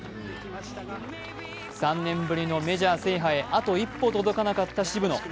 ３年ぶりのメジャー制覇へあと一歩届かなかった渋野。